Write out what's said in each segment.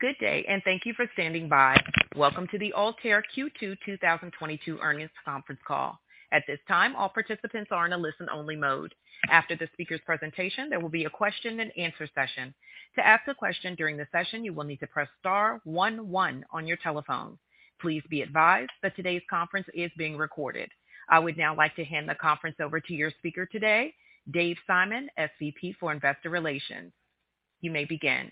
Good day, thank you for standing by. Welcome to the Altair Q2 2022 Earnings Conference Call. At this time, all participants are in a listen-only mode. After the speaker's presentation, there will be a question-and-answer session. To ask a question during the session, you will need to press star one one on your telephone. Please be advised that today's conference is being recorded. I would now like to hand the conference over to your speaker today, Dave Simon, SVP for Investor Relations. You may begin.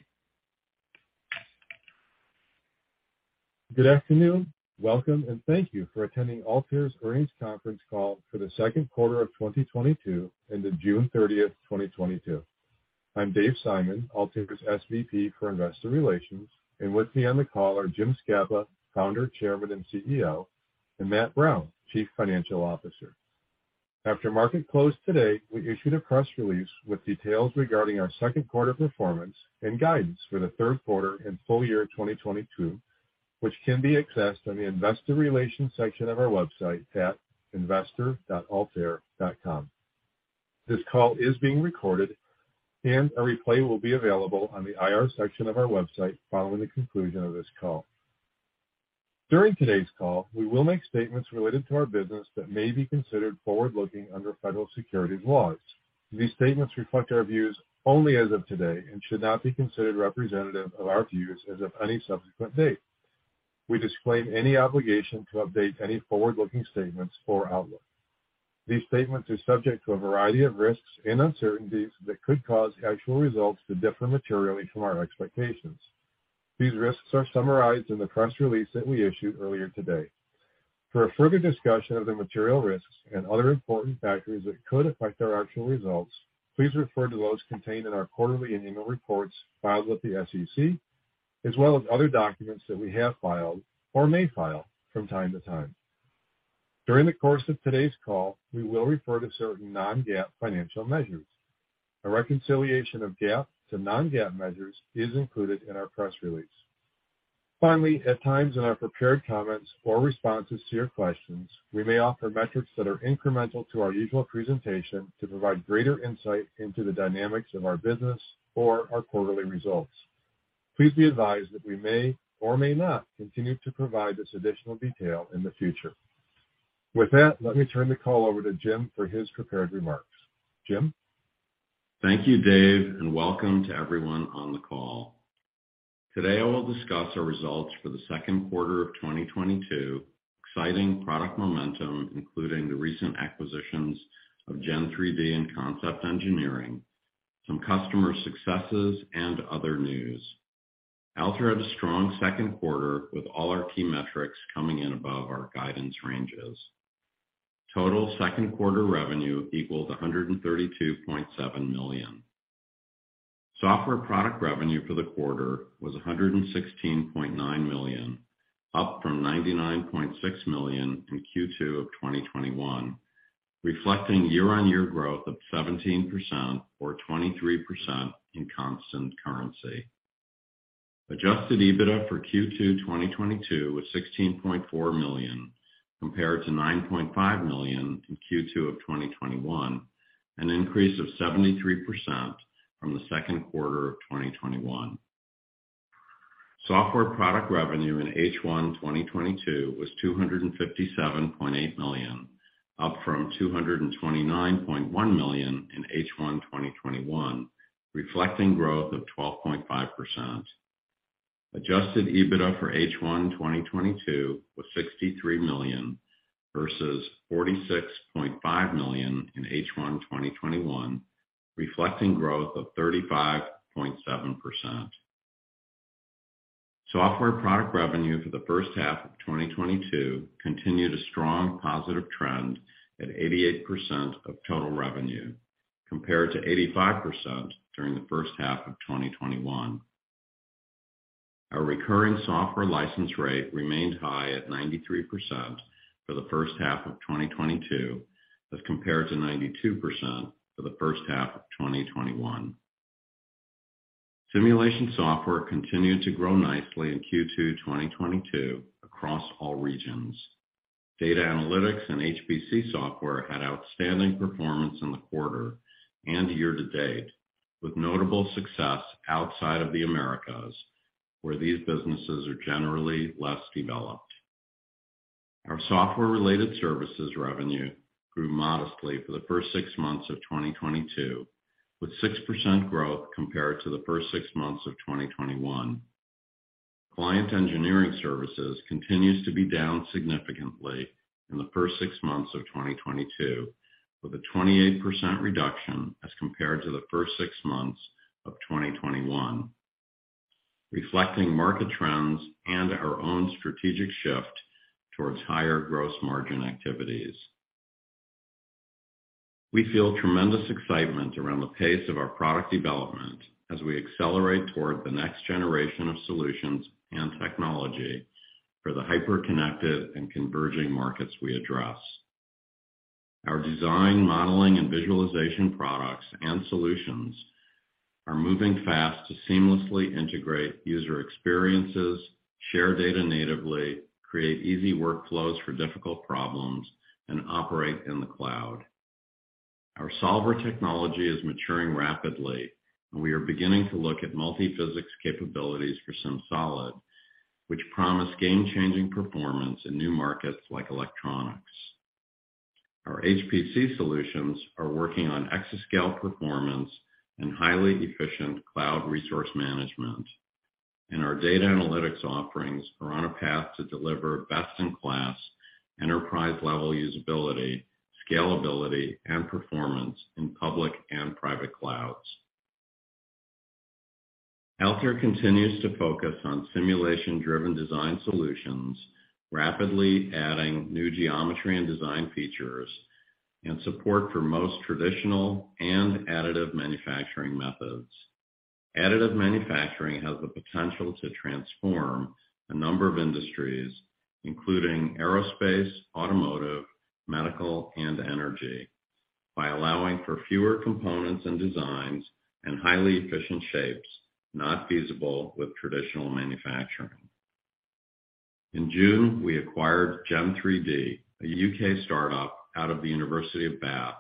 Good afternoon. Welcome, and thank you for attending Altair's Earnings Conference Call for the second quarter of 2022 ended June 30th, 2022. I'm Dave Simon, Altair's SVP for Investor Relations, and with me on the call are James Scapa, Founder, Chairman, and CEO, and Matthew Brown, Chief Financial Officer. After market close today, we issued a press release with details regarding our second quarter performance and guidance for the third quarter and full year 2022, which can be accessed on the investor relations section of our website at investor.altair.com. This call is being recorded, and a replay will be available on the IR section of our website following the conclusion of this call. During today's call, we will make statements related to our business that may be considered forward-looking under federal securities laws. These statements reflect our views only as of today and should not be considered representative of our views as of any subsequent date. We disclaim any obligation to update any forward-looking statements or outlook. These statements are subject to a variety of risks and uncertainties that could cause actual results to differ materially from our expectations. These risks are summarized in the press release that we issued earlier today. For a further discussion of the material risks and other important factors that could affect our actual results, please refer to those contained in our quarterly and annual reports filed with the SEC, as well as other documents that we have filed or may file from time to time. During the course of today's call, we will refer to certain non-GAAP financial measures. A reconciliation of GAAP to non-GAAP measures is included in our press release. Finally, at times in our prepared comments or responses to your questions, we may offer metrics that are incremental to our usual presentation to provide greater insight into the dynamics of our business or our quarterly results. Please be advised that we may or may not continue to provide this additional detail in the future. With that, let me turn the call over to Jim for his prepared remarks. Jim? Thank you, Dave, and welcome to everyone on the call. Today, I will discuss our results for the second quarter of 2022, citing product momentum, including the recent acquisitions of Gen3D and Concept Engineering, some customer successes, and other news. Altair had a strong second quarter with all our key metrics coming in above our guidance ranges. Total second quarter revenue equaled $132.7 million. Software product revenue for the quarter was $116.9 million, up from $99.6 million in Q2 of 2021, reflecting year-on-year growth of 17% or 23% in constant currency. Adjusted EBITDA for Q2 2022 was $16.4 million compared to $9.5 million in Q2 of 2021, an increase of 73% from the second quarter of 2021. Software product revenue in H1 2022 was $257.8 million, up from $229.1 million in H1 2021, reflecting growth of 12.5%. Adjusted EBITDA for H1 2022 was $63 million versus $46.5 million in H1 2021, reflecting growth of 35.7%. Software product revenue for the first half of 2022 continued a strong positive trend at 88% of total revenue compared to 85% during the first half of 2021. Our recurring software license rate remained high at 93% for the first half of 2022 as compared to 92% for the first half of 2021. Simulation software continued to grow nicely in Q2 2022 across all regions. Data analytics and HPC software had outstanding performance in the quarter and year to date, with notable success outside of the Americas, where these businesses are generally less developed. Our software-related services revenue grew modestly for the first six months of 2022, with 6% growth compared to the first six months of 2021. Client engineering services continues to be down significantly in the first six months of 2022, with a 28% reduction as compared to the first six months of 2021, reflecting market trends and our own strategic shift towards higher gross margin activities. We feel tremendous excitement around the pace of our product development as we accelerate toward the next generation of solutions and technology for the hyperconnected and converging markets we address. Our design, modeling, and visualization products and solutions are moving fast to seamlessly integrate user experiences, share data natively, create easy workflows for difficult problems, and operate in the cloud. Our solver technology is maturing rapidly, and we are beginning to look at multi-physics capabilities for SimSolid, which promise game-changing performance in new markets like electronics. Our HPC solutions are working on exascale performance and highly efficient cloud resource management. Our data analytics offerings are on a path to deliver best-in-class enterprise-level usability, scalability, and performance in public and private clouds. Altair continues to focus on simulation-driven design solutions, rapidly adding new geometry and design features and support for most traditional and additive manufacturing methods. Additive manufacturing has the potential to transform a number of industries, including aerospace, automotive, medical, and energy, by allowing for fewer components and designs and highly efficient shapes not feasible with traditional manufacturing. In June, we acquired Gen3D, a U.K. startup out of the University of Bath,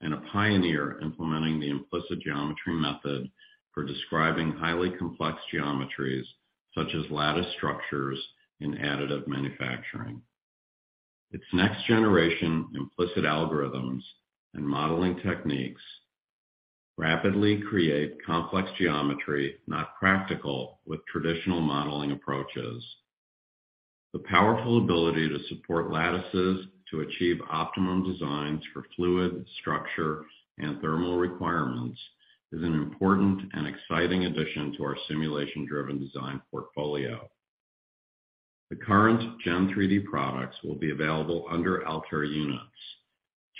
and a pioneer implementing the implicit geometry method for describing highly complex geometries such as lattice structures in additive manufacturing. Its next-generation implicit algorithms and modeling techniques rapidly create complex geometry not practical with traditional modeling approaches. The powerful ability to support lattices to achieve optimum designs for fluid, structure, and thermal requirements is an important and exciting addition to our simulation-driven design portfolio. The current Gen3D products will be available under Altair Units.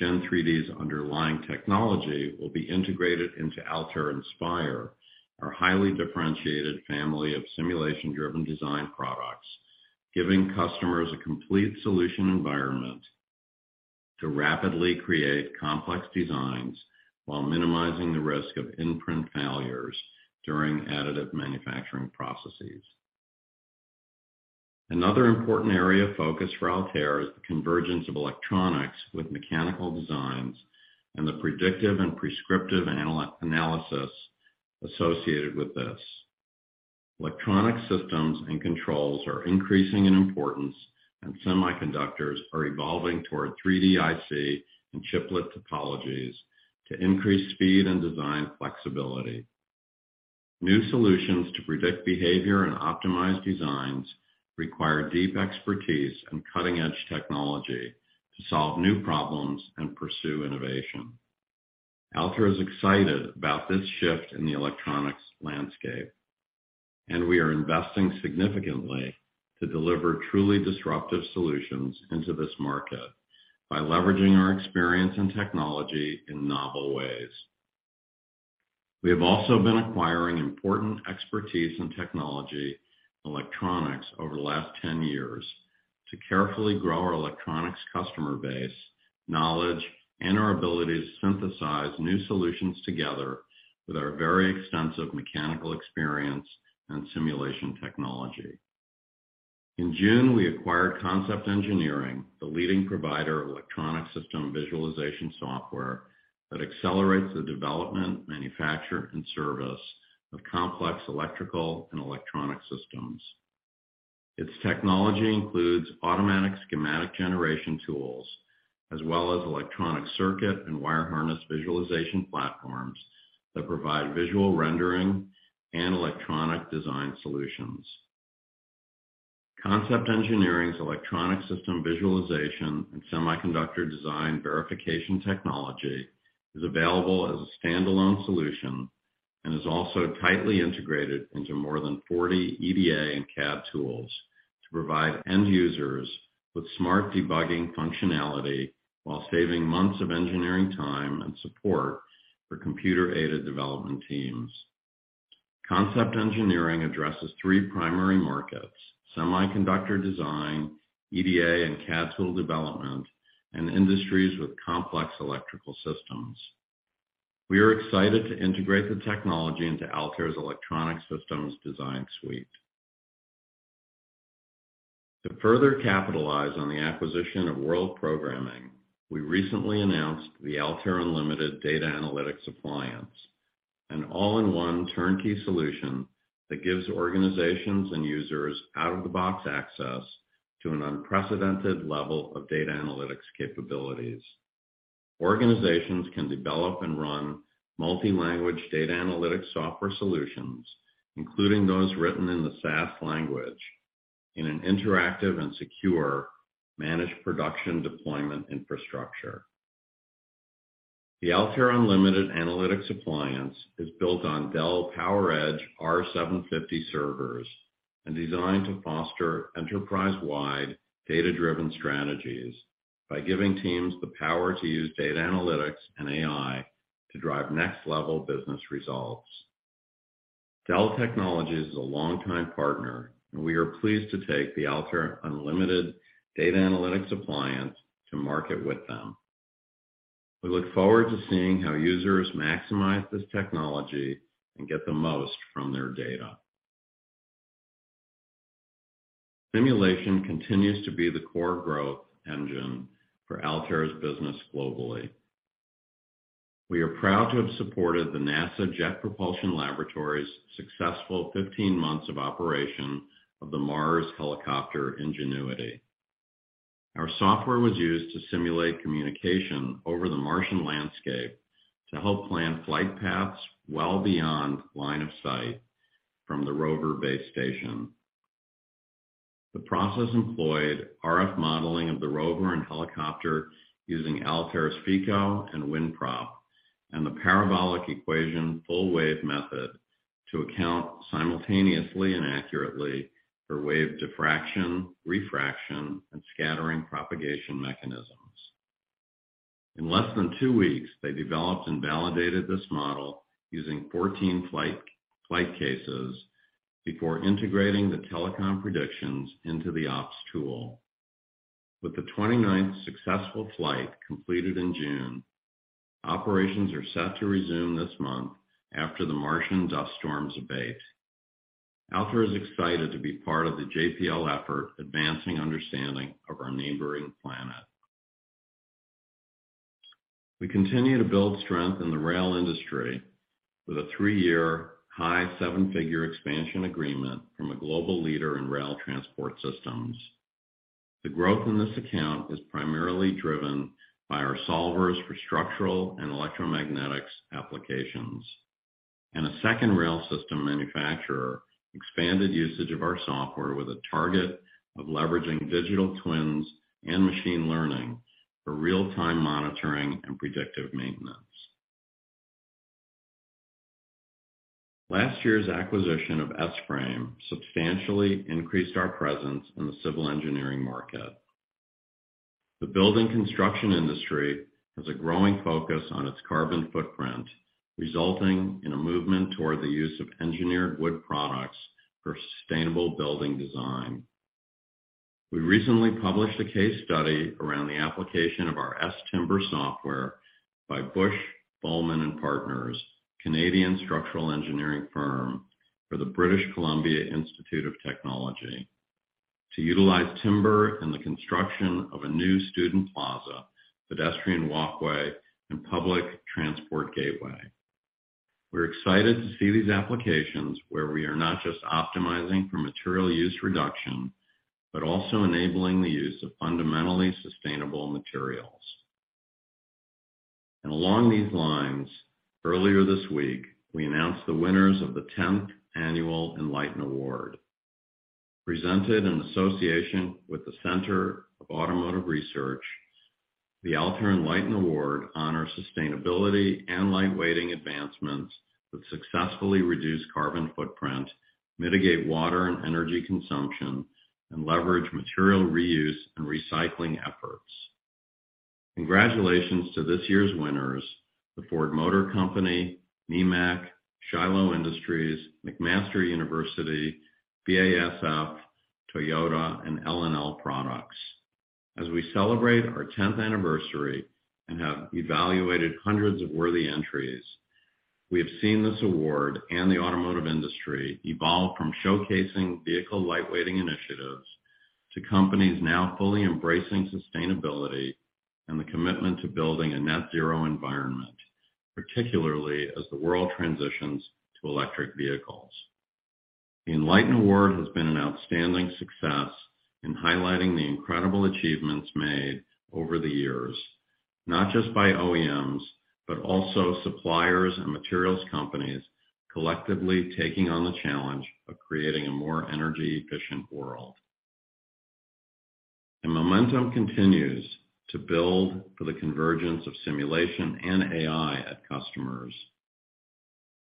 Gen3D's underlying technology will be integrated into Altair Inspire, our highly differentiated family of simulation-driven design products, giving customers a complete solution environment to rapidly create complex designs while minimizing the risk of in-print failures during additive manufacturing processes. Another important area of focus for Altair is the convergence of electronics with mechanical designs and the predictive and prescriptive analysis associated with this. Electronic systems and controls are increasing in importance, and semiconductors are evolving toward 3D IC and chiplet topologies to increase speed and design flexibility. New solutions to predict behavior and optimize designs require deep expertise and cutting-edge technology to solve new problems and pursue innovation. Altair is excited about this shift in the electronics landscape, and we are investing significantly to deliver truly disruptive solutions into this market by leveraging our experience and technology in novel ways. We have also been acquiring important expertise in technology electronics over the last 10 years to carefully grow our electronics customer base, knowledge, and our ability to synthesize new solutions together with our very extensive mechanical experience and simulation technology. In June, we acquired Concept Engineering, the leading provider of electronic system visualization software that accelerates the development, manufacture, and service of complex electrical and electronic systems. Its technology includes automatic schematic generation tools as well as electronic circuit and wire harness visualization platforms that provide visual rendering and electronic design solutions. Concept Engineering's electronic system visualization and semiconductor design verification technology is available as a standalone solution and is also tightly integrated into more than 40 EDA and CAD tools to provide end users with smart debugging functionality while saving months of engineering time and support for computer-aided development teams. Concept Engineering addresses three primary markets, semiconductor design, EDA and CAD tool development, and industries with complex electrical systems. We are excited to integrate the technology into Altair's Electronic Systems Design Suite. To further capitalize on the acquisition of World Programming, we recently announced the Altair Unlimited Data Analytics Appliance, an all-in-one turnkey solution that gives organizations and users out-of-the-box access to an unprecedented level of data analytics capabilities. Organizations can develop and run multi-language data analytics software solutions, including those written in the SAS language, in an interactive and secure managed production deployment infrastructure. The Altair Unlimited Analytics Appliance is built on Dell PowerEdge R750 servers and designed to foster enterprise-wide data-driven strategies by giving teams the power to use data analytics and AI to drive next-level business results. Dell Technologies is a longtime partner, and we are pleased to take the Altair Unlimited Data Analytics Appliance to market with them. We look forward to seeing how users maximize this technology and get the most from their data. Simulation continues to be the core growth engine for Altair's business globally. We are proud to have supported the NASA Jet Propulsion Laboratory's successful 15 months of operation of the Mars helicopter, Ingenuity. Our software was used to simulate communication over the Martian landscape to help plan flight paths well beyond line of sight from the rover base station. The process employed RF modeling of the rover and helicopter using Altair's Feko and WinProp, and the parabolic equation full wave method to account simultaneously and accurately for wave diffraction, refraction, and scattering propagation mechanisms. In less than two weeks, they developed and validated this model using 14 flight cases before integrating the telecom predictions into the ops tool. With the 29th successful flight completed in June, operations are set to resume this month after the Martian dust storms abate. Altair is excited to be part of the JPL effort, advancing understanding of our neighboring planet. We continue to build strength in the rail industry with a three-year high seven-figure expansion agreement from a global leader in rail transport systems. The growth in this account is primarily driven by our solvers for structural and electromagnetics applications. A second rail system manufacturer expanded usage of our software with a target of leveraging digital twins and machine learning for real-time monitoring and predictive maintenance. Last year's acquisition of S-FRAME substantially increased our presence in the civil engineering market. The building construction industry has a growing focus on its carbon footprint, resulting in a movement toward the use of engineered wood products for sustainable building design. We recently published a case study around the application of our S-TIMBER software by Bush, Bohlman & Partners, Canadian structural engineering firm for the British Columbia Institute of Technology to utilize timber in the construction of a new student plaza, pedestrian walkway, and public transport gateway. We're excited to see these applications where we are not just optimizing for material use reduction, but also enabling the use of fundamentally sustainable materials. Along these lines, earlier this week, we announced the winners of the tenth annual Enlighten Award. Presented in association with the Center for Automotive Research, the Altair Enlighten Award honor sustainability and lightweighting advancements that successfully reduce carbon footprint, mitigate water and energy consumption, and leverage material reuse and recycling efforts. Congratulations to this year's winners, the Ford Motor Company, Nemak, Shiloh Industries, McMaster University, BASF, Toyota, and L&L Products. As we celebrate our tenth anniversary and have evaluated hundreds of worthy entries, we have seen this award and the automotive industry evolve from showcasing vehicle lightweighting initiatives to companies now fully embracing sustainability and the commitment to building a net zero environment, particularly as the world transitions to electric vehicles. The Enlighten Award has been an outstanding success in highlighting the incredible achievements made over the years, not just by OEMs, but also suppliers and materials companies collectively taking on the challenge of creating a more energy efficient world. The momentum continues to build for the convergence of simulation and AI at customers.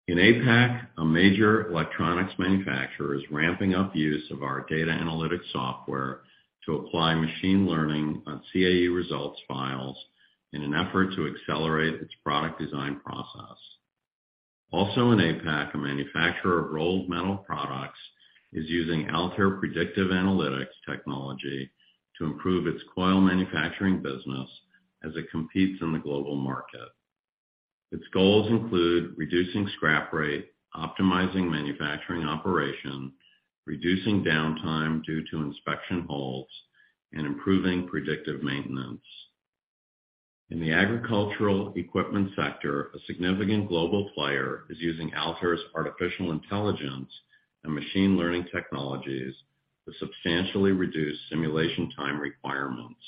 In APAC, a major electronics manufacturer is ramping up use of our data analytics software to apply machine learning on CAE results files in an effort to accelerate its product design process. Also in APAC, a manufacturer of rolled metal products is using Altair predictive analytics technology to improve its coil manufacturing business as it competes in the global market. Its goals include reducing scrap rate, optimizing manufacturing operation, reducing downtime due to inspection holds, and improving predictive maintenance. In the agricultural equipment sector, a significant global player is using Altair's artificial intelligence and machine learning technologies to substantially reduce simulation time requirements.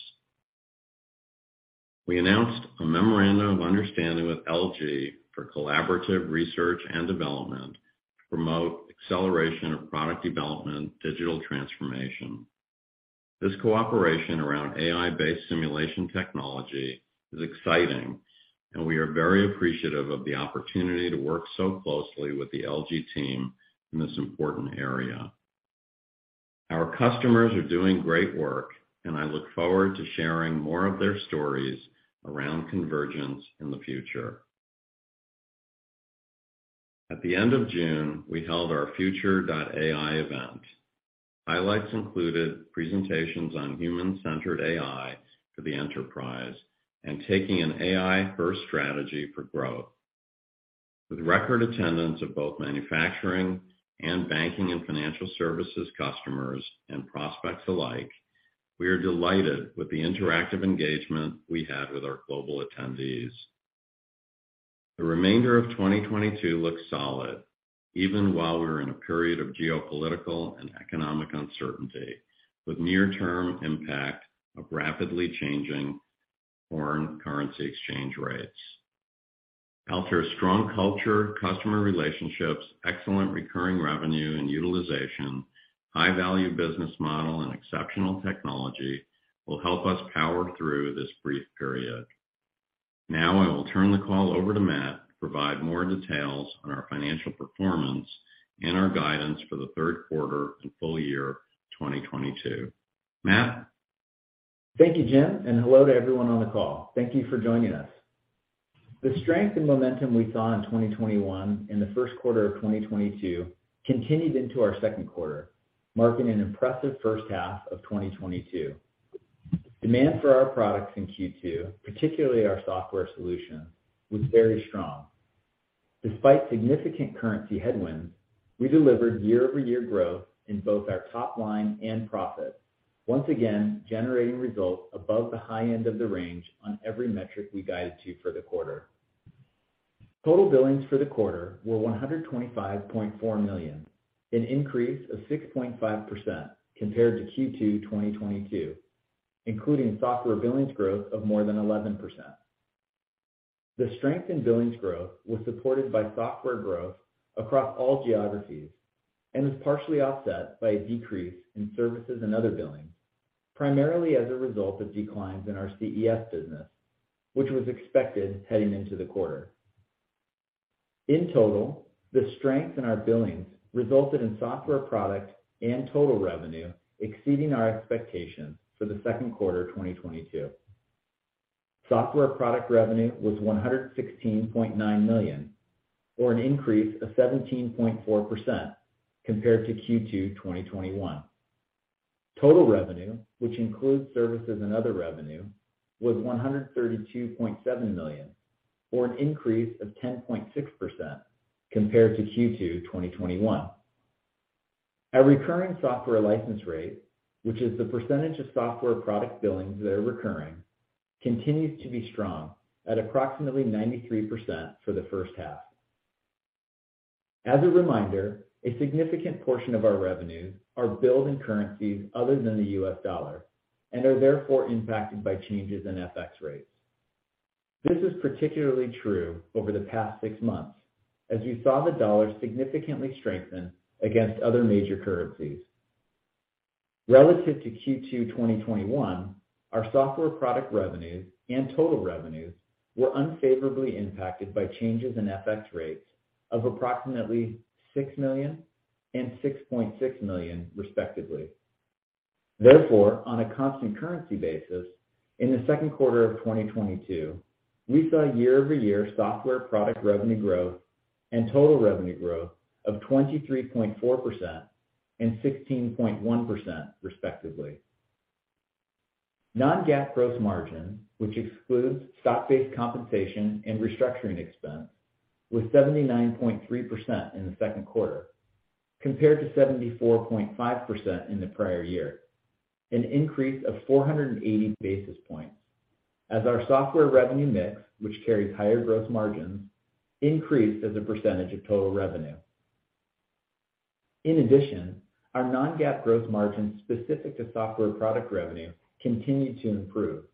We announced a memorandum of understanding with LG for collaborative research and development to promote acceleration of product development digital transformation. This cooperation around AI-based simulation technology is exciting, and we are very appreciative of the opportunity to work so closely with the LG team in this important area. Our customers are doing great work, and I look forward to sharing more of their stories around convergence in the future. At the end of June, we held our Future.AI event. Highlights included presentations on human-centered AI for the enterprise and taking an AI-first strategy for growth. With record attendance of both manufacturing and banking and financial services customers and prospects alike, we are delighted with the interactive engagement we had with our global attendees. The remainder of 2022 looks solid, even while we're in a period of geopolitical and economic uncertainty, with near-term impact of rapidly changing foreign currency exchange rates. Altair's strong culture, customer relationships, excellent recurring revenue and utilization, high-value business model, and exceptional technology will help us power through this brief period. Now I will turn the call over to Matt to provide more details on our financial performance and our guidance for the third quarter and full year 2022. Matt? Thank you, Jim, and hello to everyone on the call. Thank you for joining us. The strength and momentum we saw in 2021 and the first quarter of 2022 continued into our second quarter, marking an impressive first half of 2022. Demand for our products in Q2, particularly our software solution, was very strong. Despite significant currency headwinds, we delivered year-over-year growth in both our top line and profit, once again generating results above the high end of the range on every metric we guided to for the quarter. Total billings for the quarter were $125.4 million, an increase of 6.5% compared to Q2 2022, including software billings growth of more than 11%. The strength in billings growth was supported by software growth across all geographies and was partially offset by a decrease in services and other billings, primarily as a result of declines in our CES business, which was expected heading into the quarter. In total, the strength in our billings resulted in software product and total revenue exceeding our expectations for the second quarter 2022. Software product revenue was $116.9 million, or an increase of 17.4% compared to Q2 2021. Total revenue, which includes services and other revenue, was $132.7 million, or an increase of 10.6% compared to Q2 2021. Our recurring software license rate, which is the percentage of software product billings that are recurring, continues to be strong at approximately 93% for the first half. As a reminder, a significant portion of our revenues are billed in currencies other than the U.S. dollar, and are therefore impacted by changes in FX rates. This is particularly true over the past six months, as you saw the dollar significantly strengthen against other major currencies. Relative to Q2 2021, our software product revenues and total revenues were unfavorably impacted by changes in FX rates of approximately $6 million and $6.6 million, respectively. Therefore, on a constant currency basis, in the second quarter of 2022, we saw year-over-year software product revenue growth and total revenue growth of 23.4% and 16.1%, respectively. non-GAAP gross margin, which excludes stock-based compensation and restructuring expense, was 79.3% in the second quarter, compared to 74.5% in the prior year, an increase of 480 basis points as our software revenue mix, which carries higher gross margins, increased as a percentage of total revenue. In addition, our non-GAAP gross margin specific to software product revenue continued to improve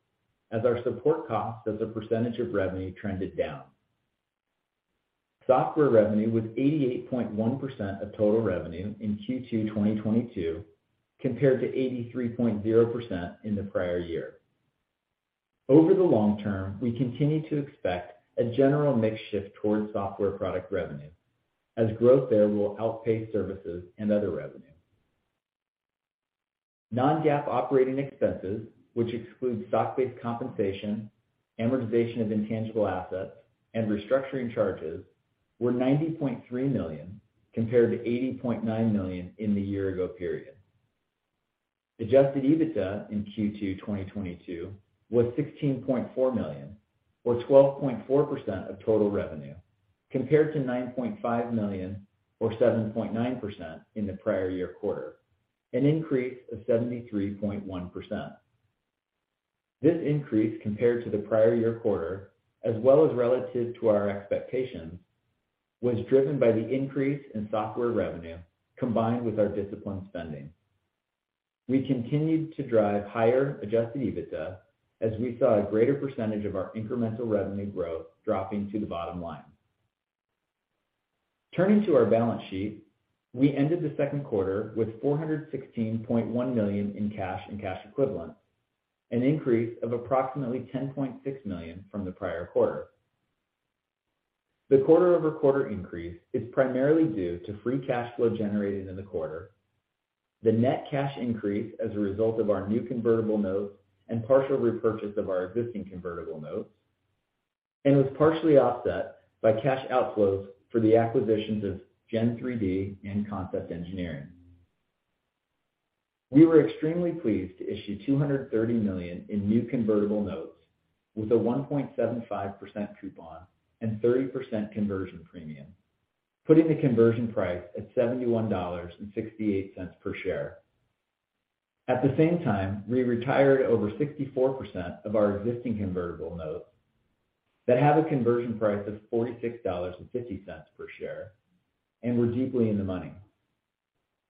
as our support costs as a percentage of revenue trended down. Software revenue was 88.1% of total revenue in Q2 2022, compared to 83.0% in the prior year. Over the long term, we continue to expect a general mix shift towards software product revenue as growth there will outpace services and other revenue. non-GAAP operating expenses, which excludes stock-based compensation, amortization of intangible assets, and restructuring charges, were $90.3 million, compared to $80.9 million in the year ago period. Adjusted EBITDA in Q2 2022 was $16.4 million or 12.4% of total revenue, compared to $9.5 million or 7.9% in the prior year quarter, an increase of 73.1%. This increase compared to the prior year quarter as well as relative to our expectations, was driven by the increase in software revenue combined with our disciplined spending. We continued to drive higher adjusted EBITDA as we saw a greater percentage of our incremental revenue growth dropping to the bottom line. Turning to our balance sheet, we ended the second quarter with $416.1 million in cash and cash equivalents, an increase of approximately $10.6 million from the prior quarter. The quarter-over-quarter increase is primarily due to free cash flow generated in the quarter. The net cash increase as a result of our new convertible notes and partial repurchase of our existing convertible notes, and was partially offset by cash outflows for the acquisitions of Gen3D and Concept Engineering. We were extremely pleased to issue $230 million in new convertible notes with a 1.75% coupon and 30% conversion premium, putting the conversion price at $71.68 per share. At the same time, we retired over 64% of our existing convertible notes that have a conversion price of $46.50 per share and were deeply in the money.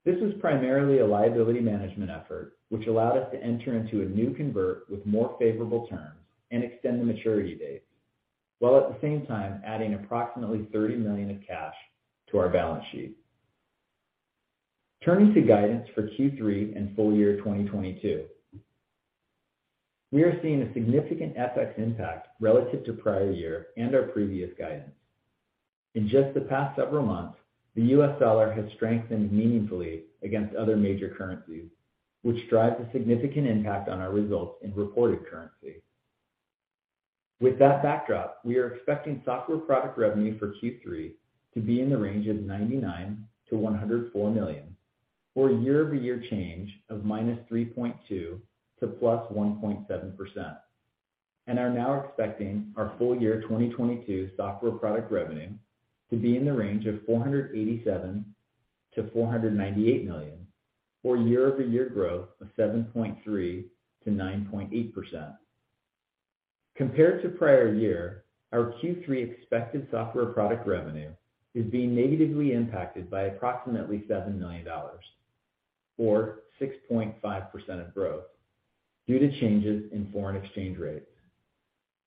This was primarily a liability management effort, which allowed us to enter into a new convert with more favorable terms and extend the maturity dates, while at the same time adding approximately $30 million of cash to our balance sheet. Turning to guidance for Q3 and full year 2022. We are seeing a significant FX impact relative to prior year and our previous guidance. In just the past several months, the U.S. dollar has strengthened meaningfully against other major currencies, which drives a significant impact on our results in reported currency. With that backdrop, we are expecting software product revenue for Q3 to be in the range of $99 million-$104 million, or year-over-year change of -3.2% to +1.7%, and are now expecting our full-year 2022 software product revenue to be in the range of $487 million-$498 million, or year-over-year growth of 7.3%-9.8%. Compared to prior year, our Q3 expected software product revenue is being negatively impacted by approximately $7 million or 6.5% of growth due to changes in foreign exchange rates.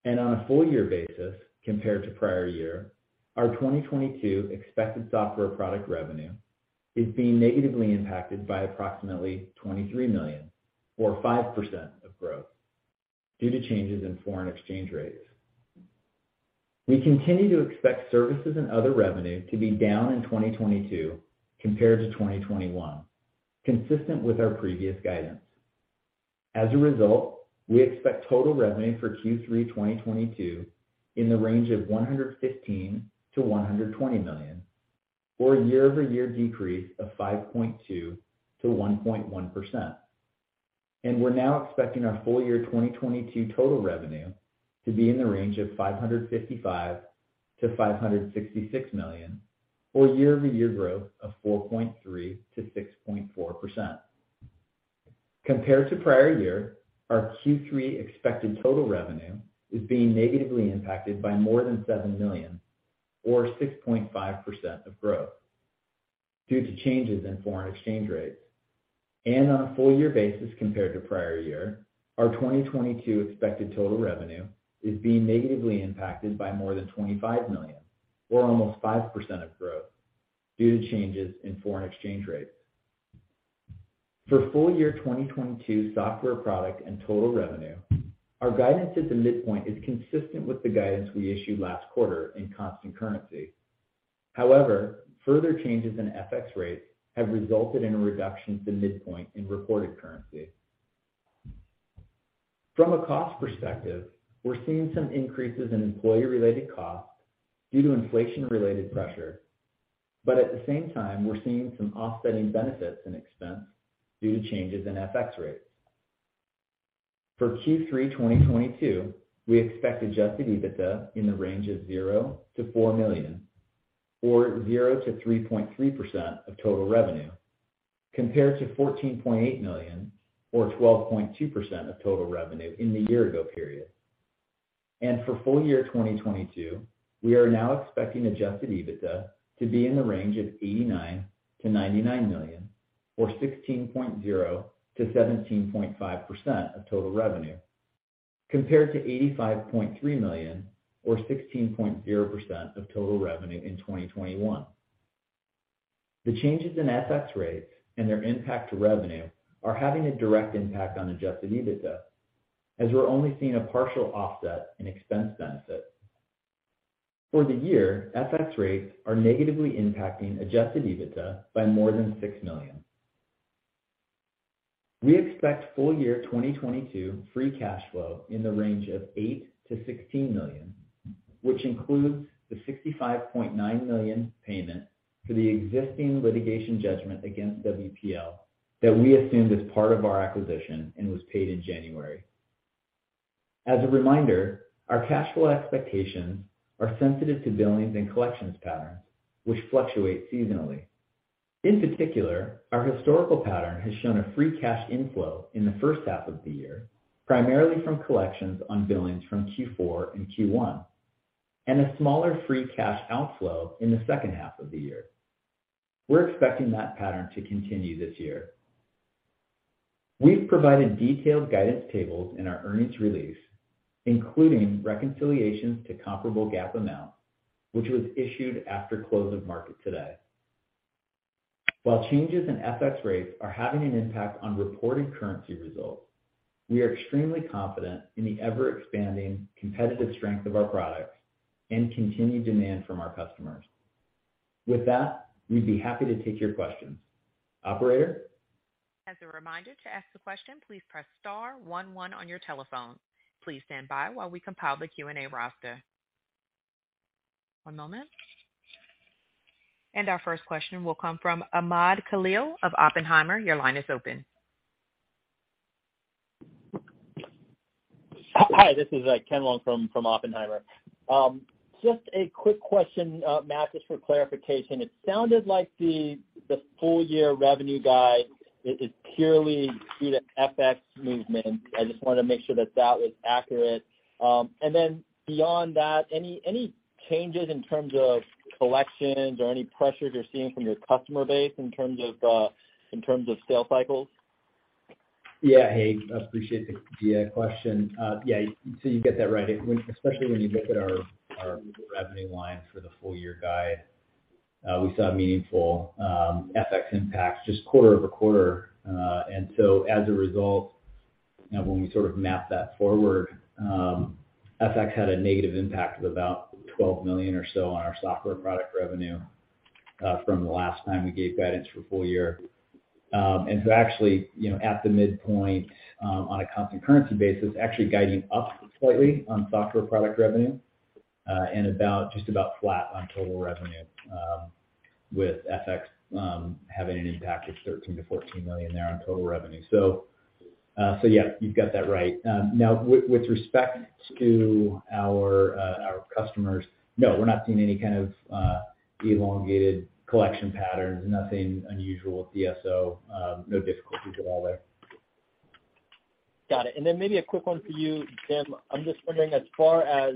On a full-year basis compared to prior year, our 2022 expected software product revenue is being negatively impacted by approximately $23 million or 5% of growth due to changes in foreign exchange rates. We continue to expect services and other revenue to be down in 2022 compared to 2021, consistent with our previous guidance. As a result, we expect total revenue for Q3 2022 in the range of $115 million-$120 million or a year-over-year decrease of 5.2%-1.1%. We're now expecting our full year 2022 total revenue to be in the range of $555 million-$566 million or year-over-year growth of 4.3%-6.4%. Compared to prior year, our Q3 expected total revenue is being negatively impacted by more than $7 million or 6.5% of growth due to changes in foreign exchange rates. On a full year basis compared to prior year, our 2022 expected total revenue is being negatively impacted by more than $25 million or almost 5% of growth due to changes in foreign exchange rates. For full year 2022 software product and total revenue, our guidance at the midpoint is consistent with the guidance we issued last quarter in constant currency. However, further changes in FX rates have resulted in a reduction to midpoint in reported currency. From a cost perspective, we're seeing some increases in employee-related costs due to inflation-related pressure, but at the same time, we're seeing some offsetting benefits in expense due to changes in FX rates. For Q3 2022, we expect adjusted EBITDA in the range of $0 million-$4 million or 0%-3.3% of total revenue, compared to $14.8 million or 12.2% of total revenue in the year ago period. For full year 2022, we are now expecting adjusted EBITDA to be in the range of $89 million-$99 million or 16.0%-17.5% of total revenue, compared to $85.3 million or 16.0% of total revenue in 2021. The changes in FX rates and their impact to revenue are having a direct impact on adjusted EBITDA, as we're only seeing a partial offset in expense benefit. For the year, FX rates are negatively impacting adjusted EBITDA by more than $6 million. We expect full year 2022 free cash flow in the range of $8 million-$16 million, which includes the $65.9 million payment for the existing litigation judgment against WPL that we assumed as part of our acquisition and was paid in January. As a reminder, our cash flow expectations are sensitive to billings and collections patterns which fluctuate seasonally. In particular, our historical pattern has shown a free cash inflow in the first half of the year, primarily from collections on billings from Q4 and Q1, and a smaller free cash outflow in the second half of the year. We're expecting that pattern to continue this year. We've provided detailed guidance tables in our earnings release, including reconciliations to comparable GAAP amounts, which was issued after close of market today. While changes in FX rates are having an impact on reported currency results, we are extremely confident in the ever-expanding competitive strength of our products and continued demand from our customers. With that, we'd be happy to take your questions. Operator? As a reminder, to ask a question, please press star one one on your telephone. Please stand by while we compile the Q&A roster. One moment. Our first question will come from Ken Wong of Oppenheimer. Your line is open. Hi, this is Ken Wong from Oppenheimer. Just a quick question, Matt, just for clarification. It sounded like the full-year revenue guide is purely due to FX movement. I just wanna make sure that was accurate. Then beyond that, any changes in terms of collections or any pressures you're seeing from your customer base in terms of sales cycles? Yeah. Hey, appreciate the question. Yeah, so you get that right. Especially when you look at our revenue line for the full-year guide, we saw a meaningful FX impact just quarter-over-quarter. As a result, you know, when we sort of map that forward, FX had a negative impact of about $12 million or so on our software product revenue from the last time we gave guidance for full year. Actually, you know, at the midpoint, on a constant currency basis, actually guiding up slightly on software product revenue, and just about flat on total revenue, with FX having an impact of $13 million-$14 million there on total revenue. Yeah, you've got that right. Now with respect to our customers, no, we're not seeing any kind of elongated collection patterns, nothing unusual with DSO, no difficulties at all there. Got it. Maybe a quick one for you, Jim. I'm just wondering, as far as,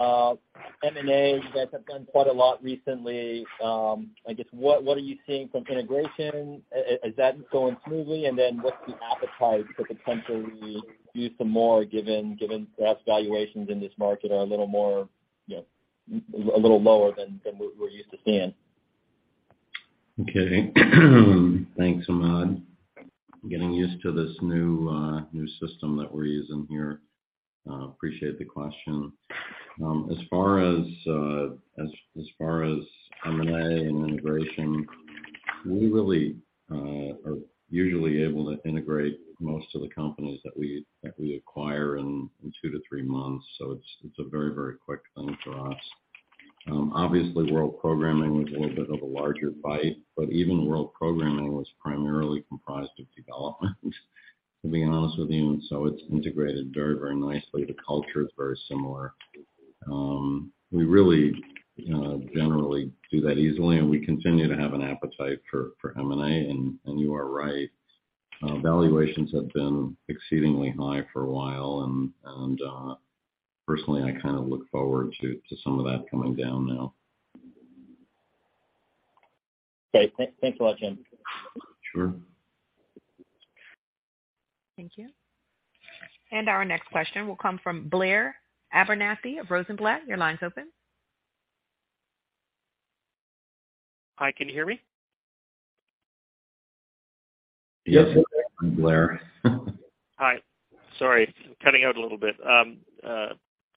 M&A, you guys have done quite a lot recently. I guess, what are you seeing from integration? Is that going smoothly? What's the appetite to potentially do some more given perhaps valuations in this market are a little more, you know, a little lower than we're used to seeing? Okay. Thanks, Ahmad. Getting used to this new system that we're using here. Appreciate the question. As far as M&A and integration, we really are usually able to integrate most of the companies that we acquire in two to three months. It's a very quick thing for us. Obviously, World Programming was a little bit of a larger bite, but even World Programming was primarily comprised of development, to be honest with you. It's integrated very nicely. The culture is very similar. We really generally do that easily, and we continue to have an appetite for M&A. You are right, valuations have been exceedingly high for a while, and personally, I kind of look forward to some of that coming down now. Great. Thanks a lot, Jim. Sure. Thank you. Our next question will come from Blair Abernethy of Rosenblatt Securities. Your line's open. Hi, can you hear me? Yes, Blair. Hi. Sorry, cutting out a little bit.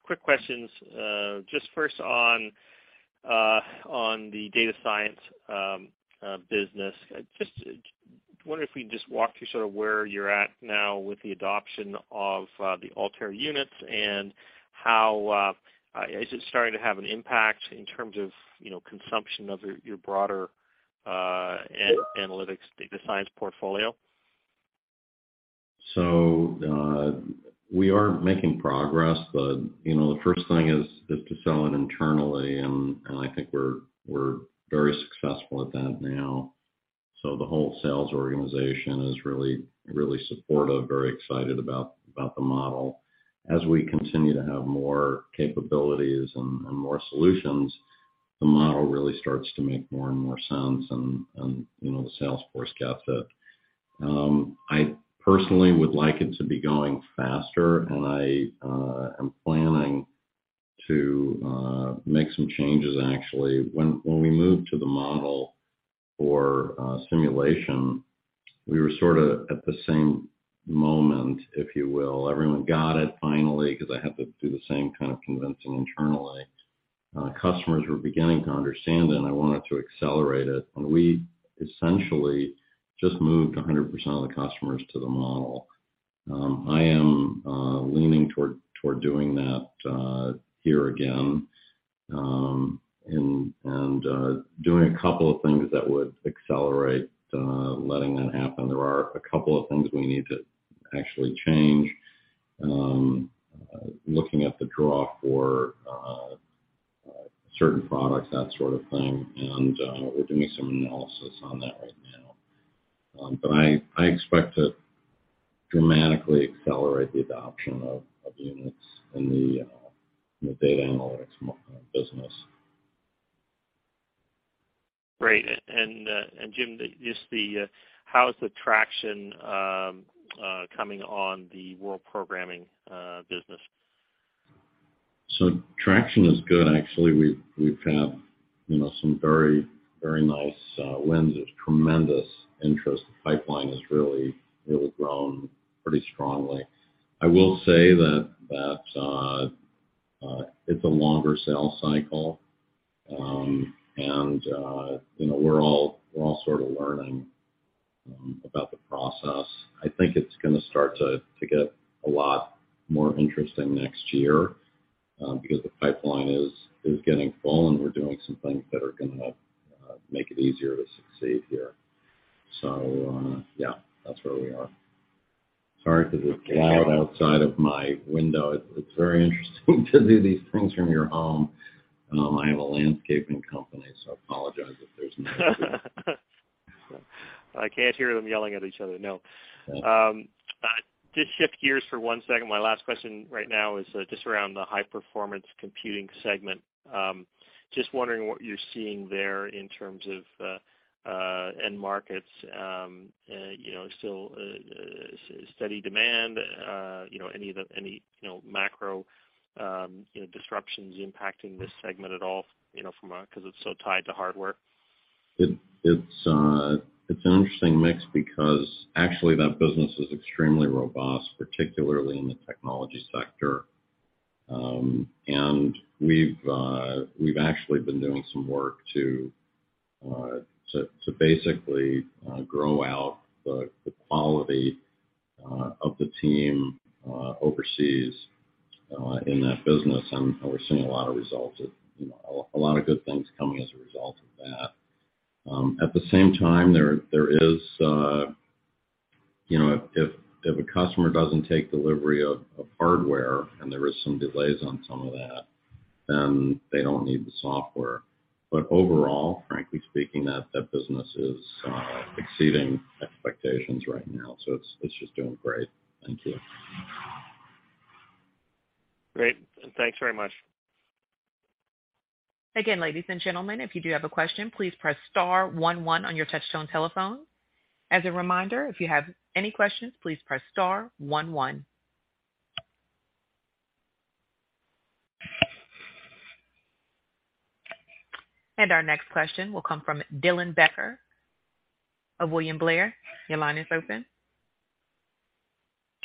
Quick questions, just first on the data science business. Just wonder if we can just walk through sort of where you're at now with the adoption of the Altair Units and how is it starting to have an impact in terms of, you know, consumption of your broader analytics data science portfolio? We are making progress, but, you know, the first thing is to sell it internally, and I think we're very successful at that now. The whole sales organization is really supportive, very excited about the model. As we continue to have more capabilities and more solutions, the model really starts to make more and more sense and, you know, the sales force gets it. I personally would like it to be going faster, and I am planning to make some changes, actually. When we moved to the model for simulation, we were sort of at the same moment, if you will. Everyone got it finally because I had to do the same kind of convincing internally. Customers were beginning to understand, and I wanted to accelerate it. We essentially just moved 100% of the customers to the model. I am leaning toward doing that here again and doing a couple of things that would accelerate letting that happen. There are a couple of things we need to actually change, looking at the draw for certain products, that sort of thing. We're doing some analysis on that right now. But I expect to dramatically accelerate the adoption of units in the data analytics business. Great. Jim, how is the traction coming on the World Programming business? Traction is good. Actually, we've had, you know, some very nice wins. There's tremendous interest. The pipeline has really grown pretty strongly. I will say that it's a longer sales cycle. You know, we're all sort of learning about the process. I think it's gonna start to get a lot more interesting next year because the pipeline is getting full, and we're doing some things that are gonna make it easier to succeed here. Yeah, that's where we are. Sorry for this crowd outside of my window. It's very interesting to do these things from your home. I have a landscaping company, so apologize if there's noise. I can't hear them yelling at each other, no. Just shift gears for one second. My last question right now is just around the high-performance computing segment. Just wondering what you're seeing there in terms of end markets, you know, still steady demand, you know, any macro disruptions impacting this segment at all, you know, from a 'cause it's so tied to hardware. It's an interesting mix because actually that business is extremely robust, particularly in the technology sector. We've actually been doing some work to basically grow out the quality of the team overseas in that business, and we're seeing a lot of results. You know, a lot of good things coming as a result of that. At the same time, if a customer doesn't take delivery of hardware and there is some delays on some of that, then they don't need the software. Overall, frankly speaking, that business is exceeding expectations right now. It's just doing great. Thank you. Great. Thanks very much. Again, ladies and gentlemen, if you do have a question, please press star one one on your touchtone telephone. As a reminder, if you have any questions, please press star one one. Our next question will come from Dylan Becker of William Blair. Your line is open.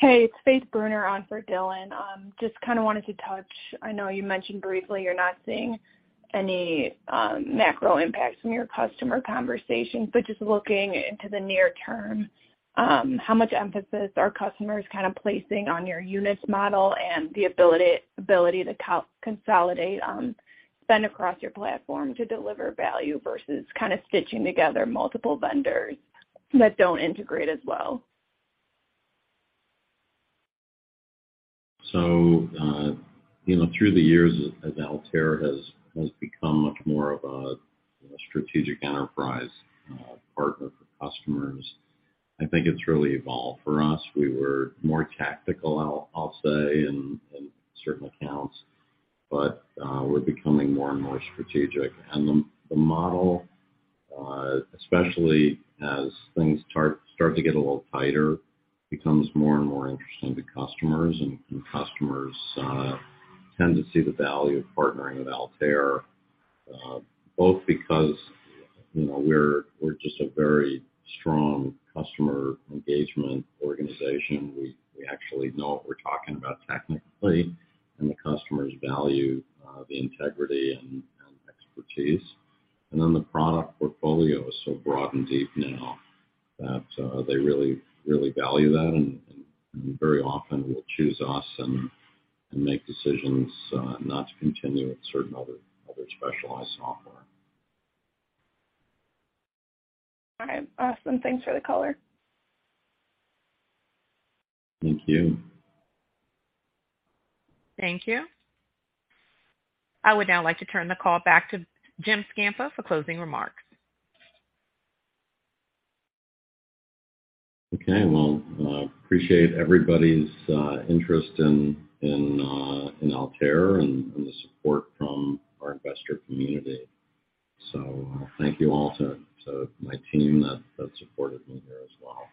Hey, it's Faith Brunner on for Dylan. Just kinda wanted to touch, I know you mentioned briefly you're not seeing any macro impacts from your customer conversations, but just looking into the near term, how much emphasis are customers kind of placing on your Units model and the ability to consolidate spend across your platform to deliver value versus kind of stitching together multiple vendors that don't integrate as well? You know, through the years, as Altair has become much more of a strategic enterprise partner for customers, I think it's really evolved for us. We were more tactical, I'll say, in certain accounts, but we're becoming more and more strategic. The model, especially as things start to get a little tighter, becomes more and more interesting to customers. Customers tend to see the value of partnering with Altair, both because, you know, we're just a very strong customer engagement organization. We actually know what we're talking about technically, and the customers value the integrity and expertise. The product portfolio is so broad and deep now that they really, really value that and very often will choose us and make decisions not to continue with certain other specialized software. All right. Awesome. Thanks for the color. Thank you. Thank you. I would now like to turn the call back to James Scapa for closing remarks. Okay. Well, I appreciate everybody's interest in Altair and the support from our investor community. Thank you all to my team that supported me here as well.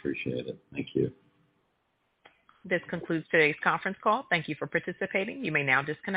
Appreciate it. Thank you. This concludes today's conference call. Thank you for participating. You may now disconnect.